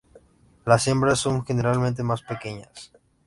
Las hembras son generalmente más pequeñas.